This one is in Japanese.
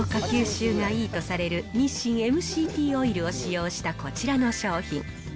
吸収がいいとされる日清ＭＣＴオイルを使用したこちらの商品。